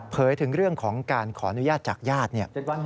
เผยถึงเรื่องของการขออนุญาตจากญาติ